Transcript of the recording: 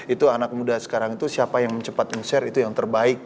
itu anak muda sekarang itu siapa yang cepat men share itu yang terbaik